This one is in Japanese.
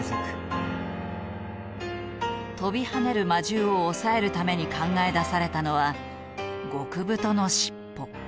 跳びはねる魔獣を抑えるために考え出されたのは極太の尻尾。